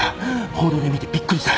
報道で見てびっくりした。